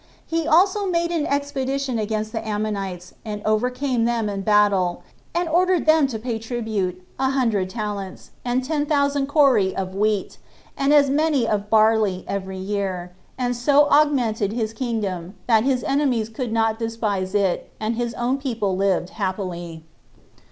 He also made an expedition against the Ammonites, and overcame them in battle, and ordered them to pay tribute, a hundred talents, and ten thousand cori of wheat, and as many of barley, every year, and so augmented his kingdom, that his enemies could not despise it, and his own people lived happily.